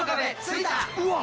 うわっ！